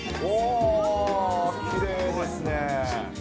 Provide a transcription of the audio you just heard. きれいですね。